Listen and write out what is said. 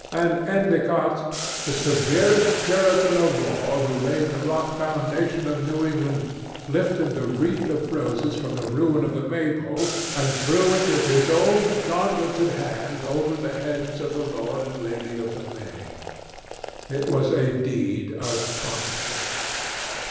And Endicott, the severest Puritan of all who laid the rock foundation of New England, lifted the wreath of roses from the ruin of the Maypole and threw it with his own gauntleted hand over the heads of the Lord and Lady of the May. It was a deed of prophecy.